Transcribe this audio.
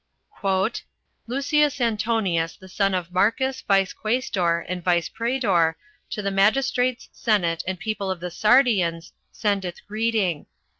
"Lucius Antonius, the son of Marcus, vice quaestor, and vice praetor, to the magistrates, senate, and people of the Sardians, sendeth greeting.